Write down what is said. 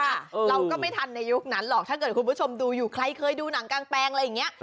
เราก็ไม่ทันในยุคนั้นหรอกถ้าเกิดคุณผู้ชมดูอยู่ใครเคยดูหนังกางแปลงอะไรอย่างนี้